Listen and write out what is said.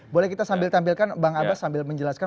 jadi kita sambil tampilkan bang abbas sambil menjelaskan